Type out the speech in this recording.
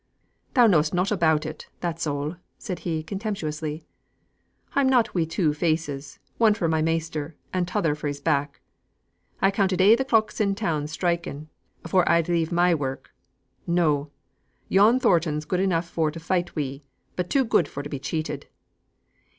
"Thou know'st nought about it, that's all," said he, contemptuously. "I'm not one wi' two faces one for my measter, and t'other for his back. I counted a' th' clocks in the town striking afore I'd leave my work. No! yon Thornton's good enough for to fight wi', but too good for to be cheated.